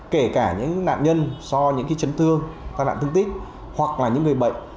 kể cả những nạn nhân do những chấn thương tai nạn thương tích hoặc là những người bệnh